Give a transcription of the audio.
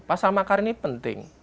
pasal makar ini penting